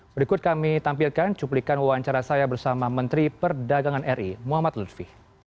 berikut kami tampilkan cuplikan wawancara saya bersama menteri perdagangan ri muhammad lutfi